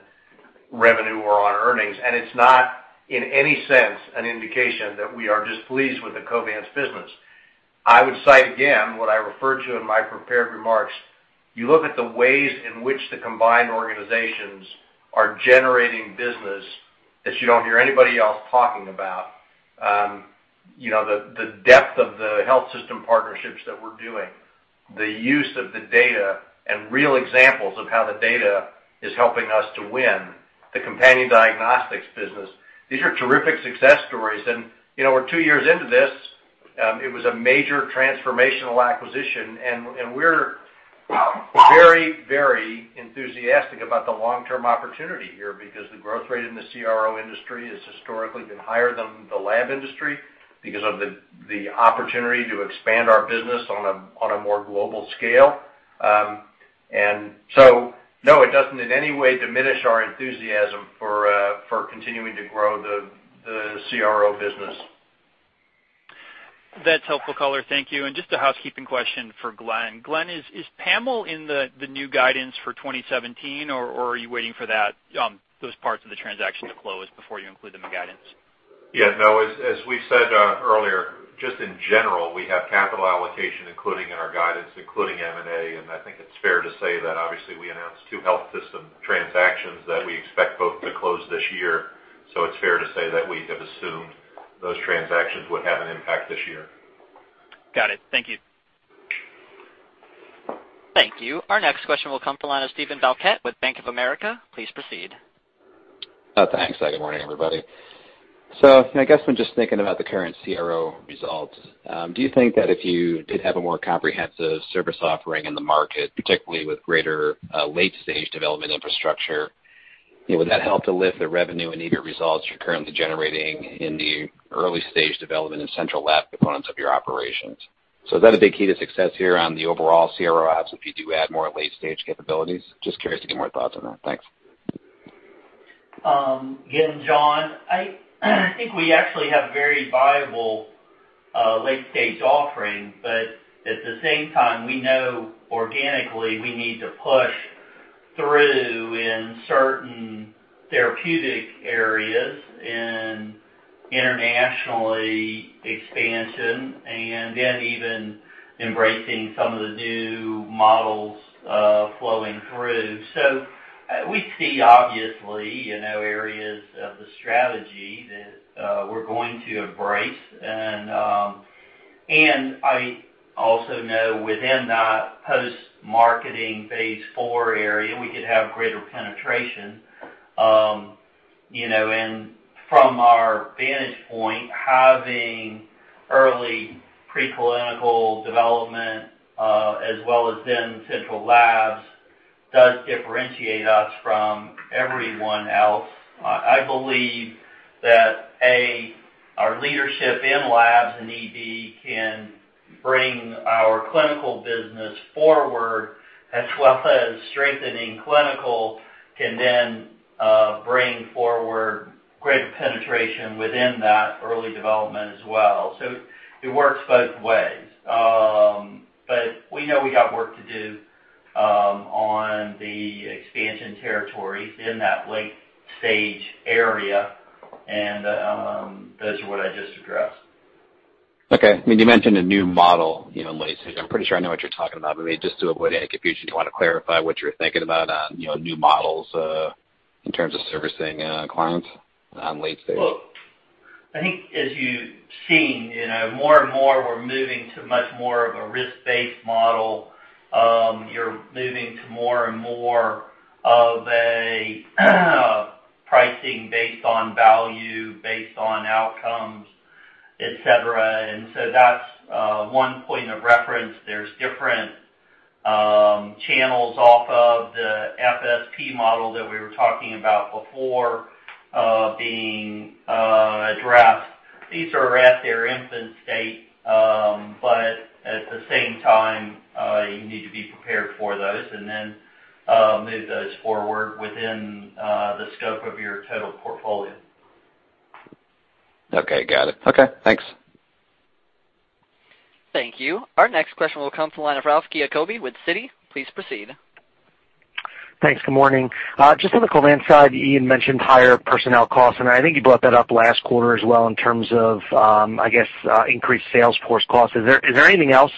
revenue or on earnings. It is not in any sense an indication that we are displeased with the Covance business. I would cite, again, what I referred to in my prepared remarks. You look at the ways in which the combined organizations are generating business that you do not hear anybody else talking about, the depth of the health system partnerships that we are doing, the use of the data and real examples of how the data is helping us to win, the companion diagnostics business. These are terrific success stories. We are two years into this. It was a major transformational acquisition. We're very, very enthusiastic about the long-term opportunity here because the growth rate in the CRO industry has historically been higher than the lab industry because of the opportunity to expand our business on a more global scale. No, it does not in any way diminish our enthusiasm for continuing to grow the CRO business. That's helpful color. Thank you. Just a housekeeping question for Glenn. Glenn, is PAML in the new guidance for 2017, or are you waiting for those parts of the transaction to close before you include them in guidance? Yeah. No. As we said earlier, just in general, we have capital allocation including in our guidance, including M&A. I think it's fair to say that obviously we announced two health system transactions that we expect both to close this year. So it's fair to say that we have assumed those transactions would have an impact this year. Got it. Thank you. Thank you. Our next question will come from the line of Steven Valiquette with Bank of America. Please proceed. Thanks. Good morning, everybody. I guess I'm just thinking about the current CRO results. Do you think that if you did have a more comprehensive service offering in the market, particularly with greater late-stage development infrastructure, would that help to lift the revenue and even results you're currently generating in the early-stage development and central lab components of your operations? Is that a big key to success here on the overall CRO apps if you do add more late-stage capabilities? Just curious to get more thoughts on that. Thanks. Again, John, I think we actually have very viable late-stage offering. At the same time, we know organically we need to push through in certain therapeutic areas and internationally expansion and then even embracing some of the new models flowing through. We see obviously areas of the strategy that we're going to embrace. I also know within that post-marketing phase four area, we could have greater penetration. From our vantage point, having early preclinical development as well as then central labs does differentiate us from everyone else. I believe that, A, our leadership in labs and ED can bring our clinical business forward as well as strengthening clinical can then bring forward greater penetration within that early development as well. It works both ways. We know we got work to do on the expansion territories in that late-stage area. Those are what I just addressed. Okay. I mean, you mentioned a new model in late-stage. I'm pretty sure I know what you're talking about. But maybe just to avoid any confusion, do you want to clarify what you're thinking about on new models in terms of servicing clients in late-stage? I think as you've seen, more and more we're moving to much more of a risk-based model. You're moving to more and more of a pricing based on value, based on outcomes, etc. That's one point of reference. There's different channels off of the FSP model that we were talking about before being addressed. These are at their infant state. At the same time, you need to be prepared for those and then move those forward within the scope of your total portfolio. Okay. Got it. Okay. Thanks. Thank you. Our next question will come from the line of Ralph Giacobbe with Citi. Please proceed. Thanks. Good morning. Just on the Covance side, Ian mentioned higher personnel costs. I think you brought that up last quarter as well in terms of, I guess, increased Salesforce costs. Is there anything else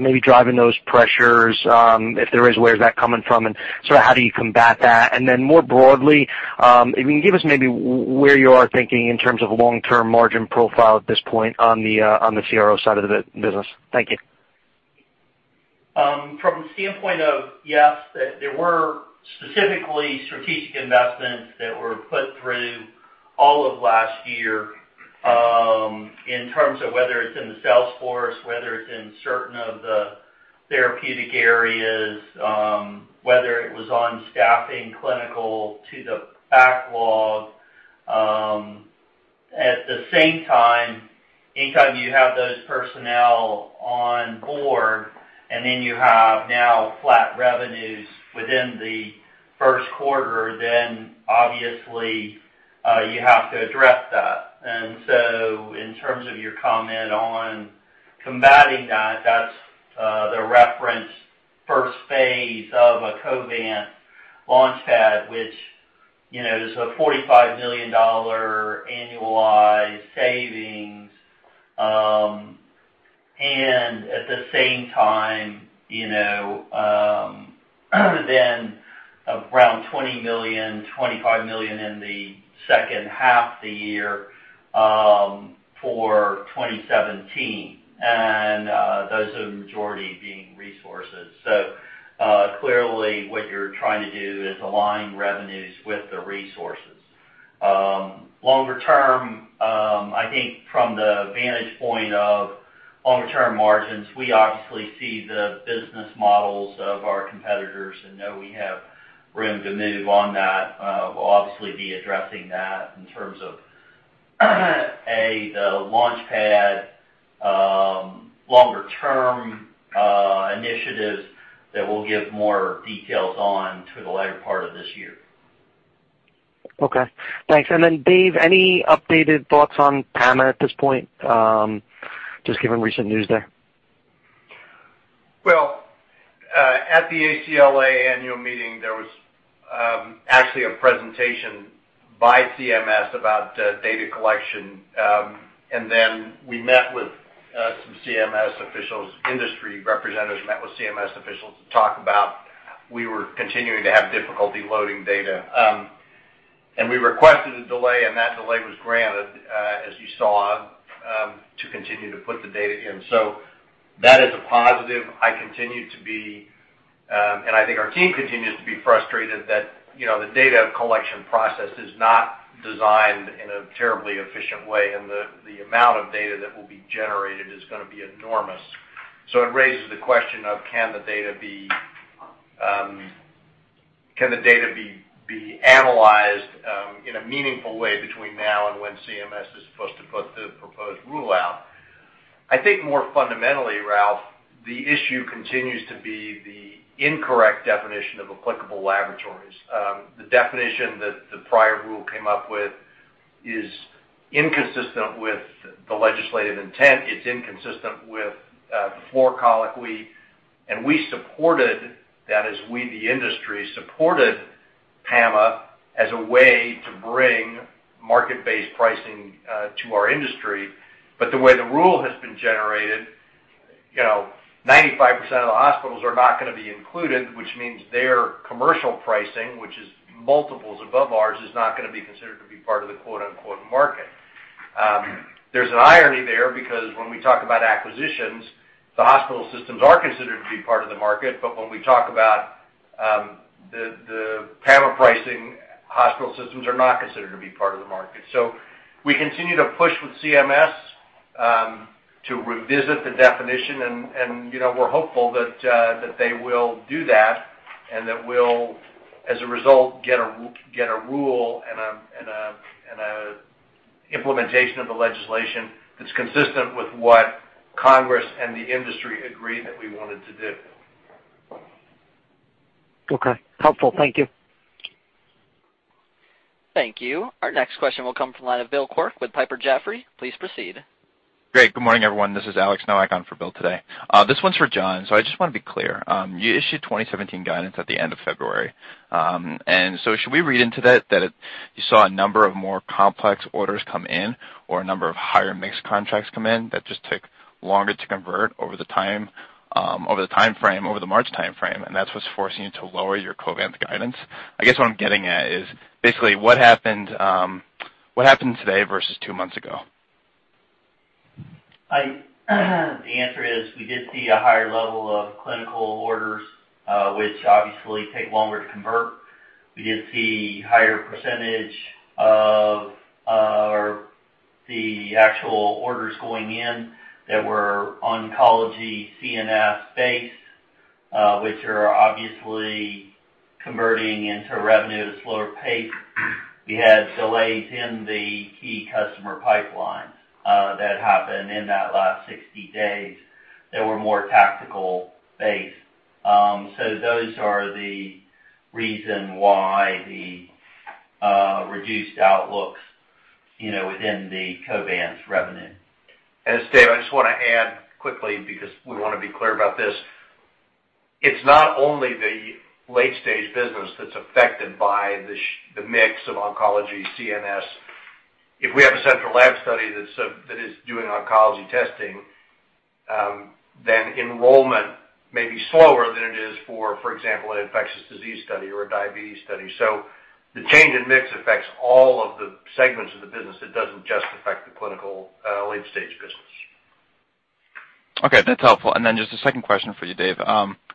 maybe driving those pressures? If there is, where is that coming from? How do you combat that? More broadly, if you can give us maybe where you are thinking in terms of long-term margin profile at this point on the CRO side of the business. Thank you. From the standpoint of, yes, there were specifically strategic investments that were put through all of last year in terms of whether it's in the Salesforce, whether it's in certain of the therapeutic areas, whether it was on staffing clinical to the backlog. At the same time, anytime you have those personnel on board and then you have now flat revenues within the first quarter, obviously you have to address that. In terms of your comment on combating that, that's the reference first phase of a Launch Pad, which is a $45 million annualized savings. At the same time, then around $20 million-$25 million in the second half of the year for 2017. Those are the majority being resources. Clearly what you're trying to do is align revenues with the resources. Longer term, I think from the vantage point of longer-term margins, we obviously see the business models of our competitors and know we have room to move on that. We'll obviously be addressing that in terms of, A, the Launch Pad, longer-term initiatives that we'll give more details on to the later part of this year. Okay. Thanks. And then Dave, any updated thoughts on PAMA at this point, just given recent news there? At the ACLA annual meeting, there was actually a presentation by CMS about data collection. We met with some CMS officials, industry representatives met with CMS officials to talk about we were continuing to have difficulty loading data. We requested a delay. That delay was granted, as you saw, to continue to put the data in. That is a positive. I continue to be, and I think our team continues to be, frustrated that the data collection process is not designed in a terribly efficient way. The amount of data that will be generated is going to be enormous. It raises the question of can the data be analyzed in a meaningful way between now and when CMS is supposed to put the proposed rule out? I think more fundamentally, Ralph, the issue continues to be the incorrect definition of applicable laboratories. The definition that the prior rule came up with is inconsistent with the legislative intent. It's inconsistent with, for colloquy. We supported that as we, the industry, supported PAMA as a way to bring market-based pricing to our industry. The way the rule has been generated, 95% of the hospitals are not going to be included, which means their commercial pricing, which is multiples above ours, is not going to be considered to be part of the "market." There's an irony there because when we talk about acquisitions, the hospital systems are considered to be part of the market. When we talk about the PAMA pricing, hospital systems are not considered to be part of the market. We continue to push with CMS to revisit the definition. We are hopeful that they will do that and that we will, as a result, get a rule and an implementation of the legislation that is consistent with what Congress and the industry agreed that we wanted to do. Okay. Helpful. Thank you. Thank you. Our next question will come from the line of Bill Quirk with Piper Jaffray. Please proceed. Great. Good morning, everyone. This is Alex Nowak on for Bill today. This one is for John. I just want to be clear. You issued 2017 guidance at the end of February. Should we read into that that you saw a number of more complex orders come in or a number of higher mix contracts come in that just took longer to convert over the timeframe, over the March timeframe? That is what's forcing you to lower your Covance guidance? I guess what I'm getting at is basically what happened today versus two months ago? The answer is we did see a higher level of clinical orders, which obviously take longer to convert. We did see a higher percentage of the actual orders going in that were oncology CNS-based, which are obviously converting into revenue at a slower pace. We had delays in the key customer pipelines that happened in that last 60 days that were more tactical-based. Those are the reasons why the reduced outlooks within the Covance revenue. It's Dave, I just want to add quickly because we want to be clear about this. It's not only the late-stage business that's affected by the mix of oncology CNS. If we have a central lab study that is doing oncology testing, then enrollment may be slower than it is for, for example, an infectious disease study or a diabetes study. The change in mix affects all of the segments of the business. It doesn't just affect the clinical late-stage business. Okay. That's helpful. Just a second question for you, Dave.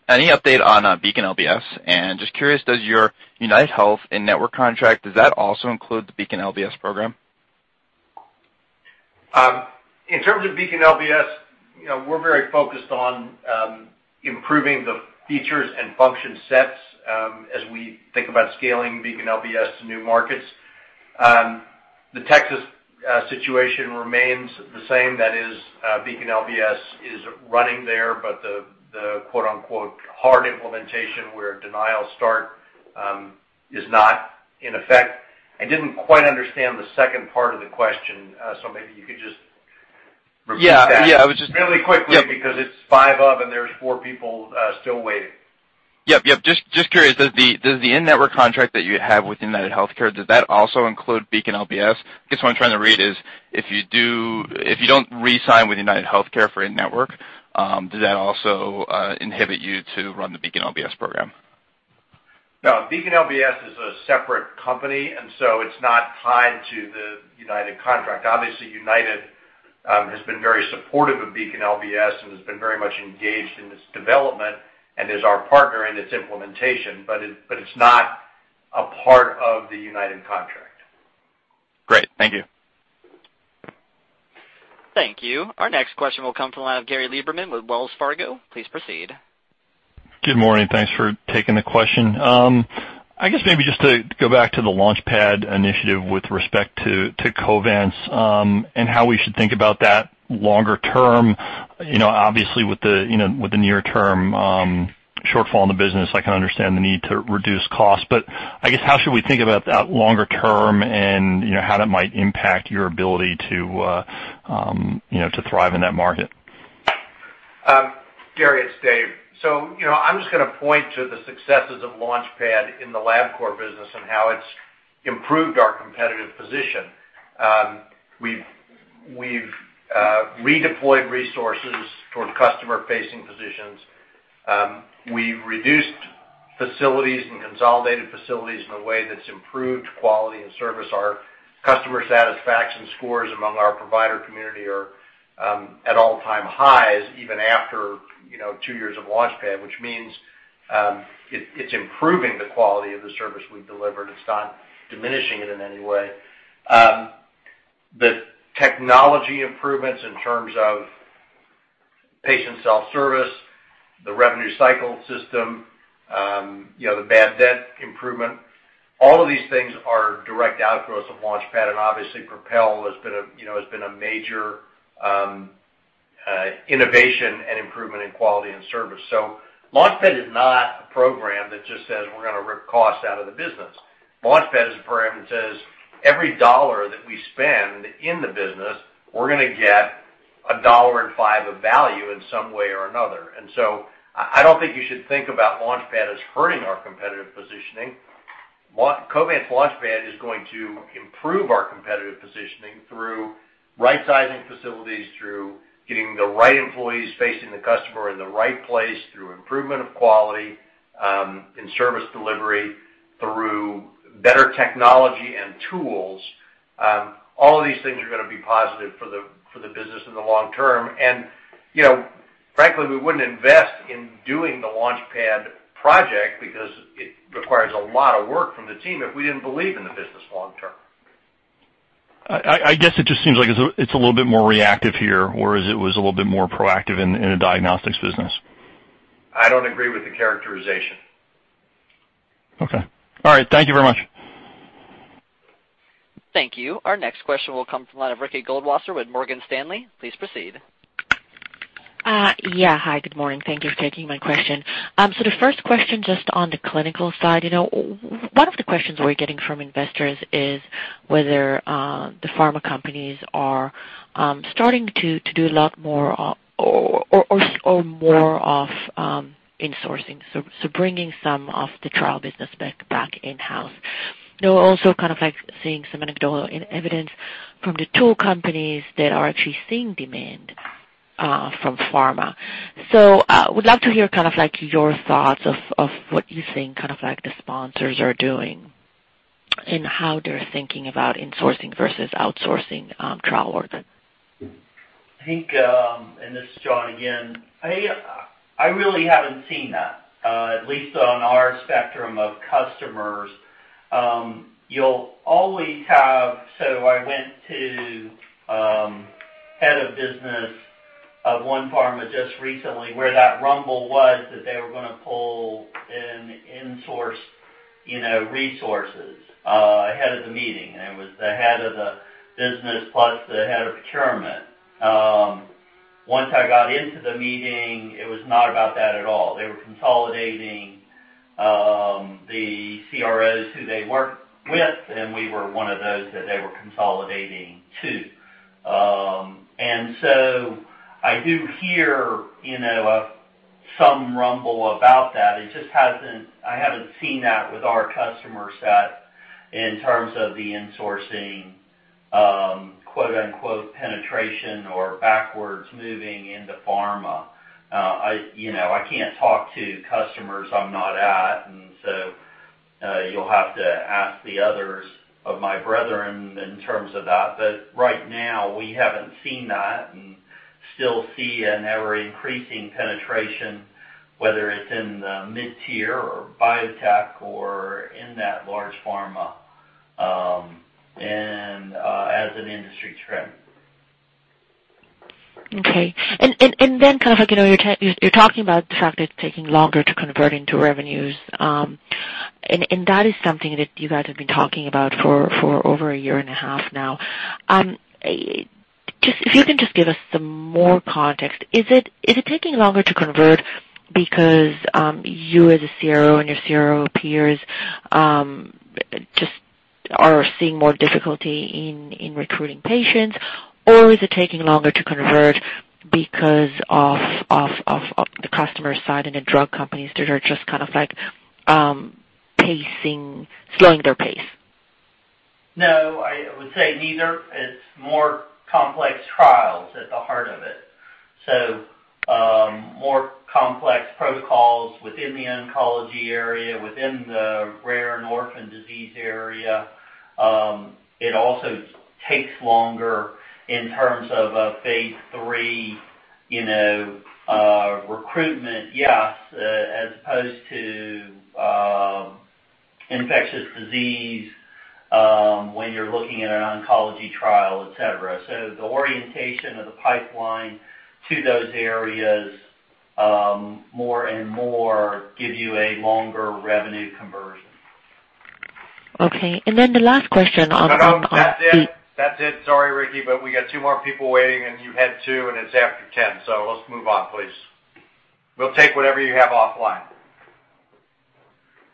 Any update on BeaconLBS? Just curious, does your UnitedHealthcare and network contract, does that also include the BeaconLBS program? In terms of BeaconLBS, we're very focused on improving the features and function sets as we think about scaling BeaconLBS to new markets. The Texas situation remains the same. That is, BeaconLBS is running there. But the "hard implementation where denials start" is not in effect. I didn't quite understand the second part of the question. Maybe you could just repeat that. Yeah. I was just Really quickly because five of and there's four people still waiting. Yep. Just curious, does the in-network contract that you have with UnitedHealthcare, does that also include BeaconLBS? I guess what I'm trying to read is if you don't re-sign with UnitedHealthcare for in-network, does that also inhibit you to run the BeaconLBS program? No. BeaconLBS is a separate company. And so it's not tied to the United contract. Obviously, United has been very supportive of BeaconLBS and has been very much engaged in its development and is our partner in its implementation. But it's not a part of the United contract. Great. Thank you. Thank you. Our next question will come from the line of Gary Lieberman with Wells Fargo. Please proceed. Good morning. Thanks for taking the question. I guess maybe just to go back to the Launch Pad initiative with respect to Covance and how we should think about that longer term. Obviously, with the near-term shortfall in the business, I can understand the need to reduce costs. I guess how should we think about that longer term and how that might impact your ability to thrive in that market? Gary, it's Dave, I am just going to point to the successes of Launch Pad in the Labcorp business and how it has improved our competitive position. We have redeployed resources towards customer-facing positions. We have reduced facilities and consolidated facilities in a way that has improved quality and service. Our customer satisfaction scores among our provider community are at all-time highs even after two years of Launch Pad, which means it's improving the quality of the service we've delivered. It's not diminishing it in any way. The technology improvements in terms of patient self-service, the revenue cycle system, the bad debt improvement, all of these things are direct outgrowths of Launch Pad. Obviously, Propel has been a major innovation and improvement in quality and service. Launch Pad is not a program that just says, "We're going to rip costs out of the business." Launch Pad is a program that says, "Every dollar that we spend in the business, we're going to get a dollar and five of value in some way or another." I don't think you should think about Launch Pad as hurting our competitive positioning. Launch Pad is going to improve our competitive positioning through right-sizing facilities, through getting the right employees facing the customer in the right place, through improvement of quality in service delivery, through better technology and tools. All of these things are going to be positive for the business in the long term. Frankly, we wouldn't invest in doing the Launch Pad project because it requires a lot of work from the team if we didn't believe in the business long term. I guess it just seems like it's a little bit more reactive here whereas it was a little bit more proactive in a diagnostics business. I don't agree with the characterization. Okay. All right. Thank you very much. Thank you. Our next question will come from the line of Ricky Goldwasser with Morgan Stanley. Please proceed. Yeah. Hi. Good morning. Thank you for taking my question. The first question just on the clinical side, one of the questions we're getting from investors is whether the pharma companies are starting to do a lot more or more of insourcing, so bringing some of the trial business back in-house. We're also kind of seeing some anecdotal evidence from the tool companies that are actually seeing demand from pharma. We'd love to hear kind of your thoughts of what you think kind of the sponsors are doing and how they're thinking about insourcing versus outsourcing trial work. I think, and this is John again, I really haven't seen that, at least on our spectrum of customers. You'll always have, so I went to head of business of one pharma just recently where that rumble was that they were going to pull in insource resources ahead of the meeting. It was the head of the business plus the head of procurement. Once I got into the meeting, it was not about that at all. They were consolidating the CROs who they work with. We were one of those that they were consolidating to. I do hear some rumble about that. I have not seen that with our customer set in terms of the insourcing "penetration" or backwards moving into pharma. I cannot talk to customers I am not at. You will have to ask the others of my brethren in terms of that. Right now, we have not seen that and still see an ever-increasing penetration, whether it is in the mid-tier or biotech or in that large pharma and as an industry trend. You are talking about the fact that it is taking longer to convert into revenues. That is something that you guys have been talking about for over a year and a half now. If you can just give us some more context, is it taking longer to convert because you as a CRO and your CRO peers just are seeing more difficulty in recruiting patients? Is it taking longer to convert because of the customer side and the drug companies that are just kind of slowing their pace? No. I would say neither. It is more complex trials at the heart of it. More complex protocols within the oncology area, within the rare and orphan disease area. It also takes longer in terms of a phase three recruitment, yes, as opposed to infectious disease when you are looking at an oncology trial, etc. The orientation of the pipeline to those areas more and more gives you a longer revenue conversion. Okay. Then the last question on that. That's it. Sorry, Ricky. We got two more people waiting. You had two. It's after 10:00. Let's move on, please. We'll take whatever you have offline.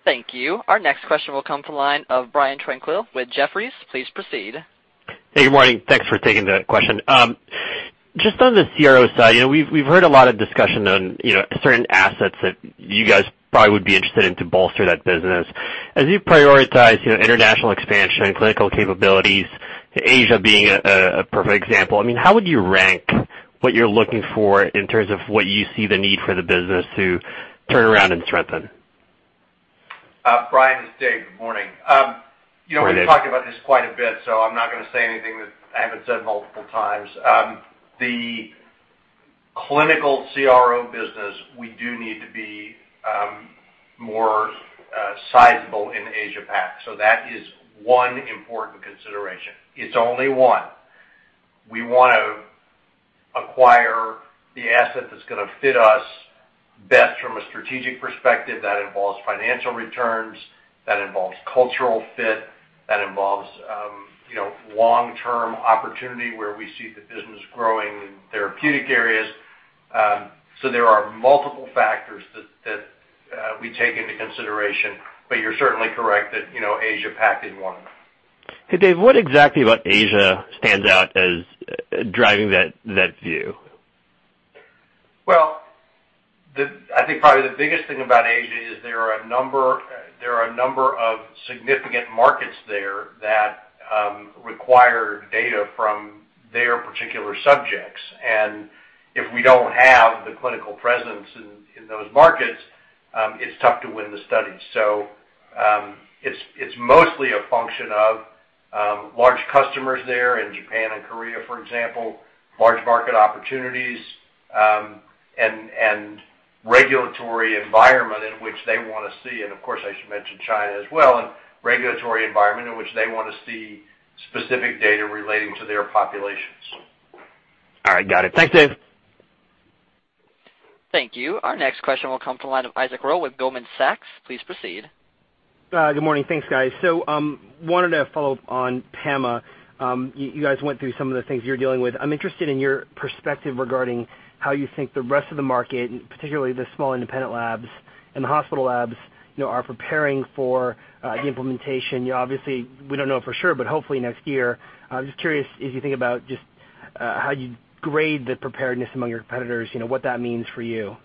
Thank you. Our next question will come from the line of Brian Tanquilut with Jefferies. Please proceed. Hey. Good morning. Thanks for taking the question. Just on the CRO side, we've heard a lot of discussion on certain assets that you guys probably would be interested in to bolster that business. As you prioritize international expansion, clinical capabilities, Asia being a perfect example, I mean, how would you rank what you're looking for in terms of what you see the need for the business to turn around and strengthen? Brian, it's Dave. Good morning. We've been talking about this quite a bit. I'm not going to say anything that I haven't said multiple times. The clinical CRO business, we do need to be more sizable in Asia-Pac. That is one important consideration. It's only one. We want to acquire the asset that's going to fit us best from a strategic perspective. That involves financial returns. That involves cultural fit. That involves long-term opportunity where we see the business growing in therapeutic areas. There are multiple factors that we take into consideration. You're certainly correct that Asia-Pac is one of them. Hey, Dave, what exactly about Asia stands out as driving that view? I think probably the biggest thing about Asia is there are a number of significant markets there that require data from their particular subjects. If we don't have the clinical presence in those markets, it's tough to win the studies. It's mostly a function of large customers there in Japan and Korea, for example, large market opportunities, and regulatory environment in which they want to see. I should mention China as well, and regulatory environment in which they want to see specific data relating to their populations. All right. Got it. Thanks, Dave. Thank you. Our next question will come from the line of Isaac Ro with Goldman Sachs. Please proceed. Good morning. Thanks, guys. Wanted to follow up on PAMA. You guys went through some of the things you're dealing with. I'm interested in your perspective regarding how you think the rest of the market, particularly the small independent labs and the hospital labs, are preparing for the implementation. Obviously, we don't know for sure, but hopefully next year. I'm just curious as you think about just how you grade the preparedness among your competitors, what that means for you.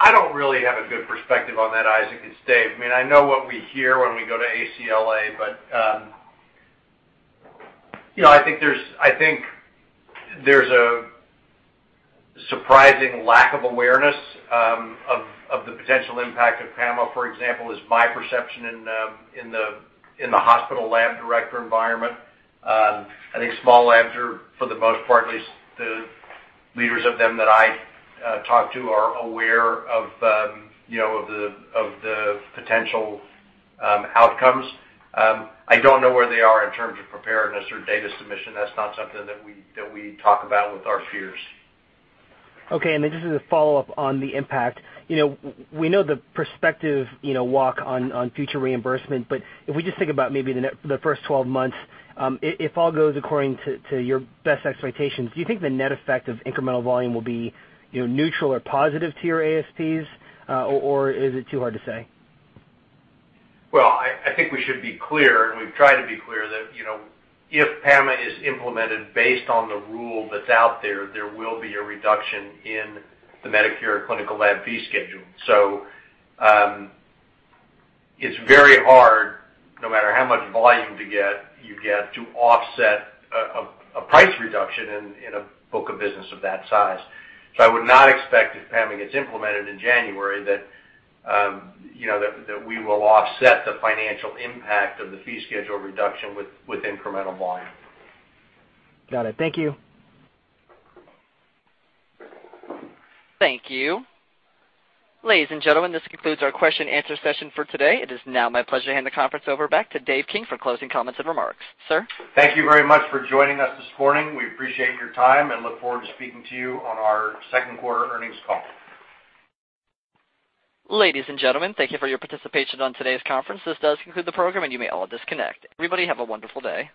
I don't really have a good perspective on that, Isaac and Dave. I mean, I know what we hear when we go to ACLA. I think there's a surprising lack of awareness of the potential impact of PAMA, for example, is my perception in the hospital lab director environment. I think small labs, for the most part, at least the leaders of them that I talk to are aware of the potential outcomes. I don't know where they are in terms of preparedness or data submission. That's not something that we talk about with our peers. Okay. And then just as a follow-up on the impact, we know the perspective walk on future reimbursement. If we just think about maybe the first 12 months, if all goes according to your best expectations, do you think the net effect of incremental volume will be neutral or positive to your ASPs? Or is it too hard to say? I think we should be clear, and we've tried to be clear, that if PAMA is implemented based on the rule that's out there, there will be a reduction in the Medicare clinical lab fee schedule. It is very hard, no matter how much volume you get, to offset a price reduction in a book of business of that size. I would not expect, if PAMA gets implemented in January, that we will offset the financial impact of the fee schedule reduction with incremental volume. Got it. Thank you. Thank you. Ladies and gentlemen, this concludes our question-and-answer session for today. It is now my pleasure to hand the conference over back to Dave King for closing comments and remarks. Sir. Thank you very much for joining us this morning. We appreciate your time and look forward to speaking to you on our second quarter earnings call. Ladies and gentlemen, thank you for your participation on today's conference. This does conclude the program, and you may all disconnect. Everybody, have a wonderful day.